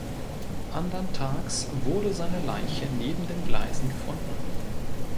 Anderntags wurde seine Leiche neben den Gleisen gefunden.